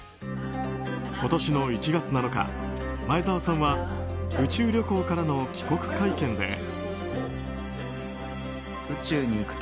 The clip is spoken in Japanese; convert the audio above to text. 今年の１月７日、前澤さんは宇宙旅行からの帰国会見で。